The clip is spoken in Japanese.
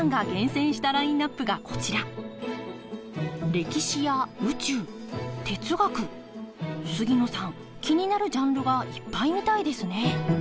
歴史や宇宙哲学杉野さん気になるジャンルがいっぱいみたいですね！